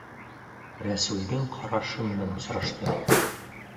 Рәсүлдең ҡарашы менән осрашты.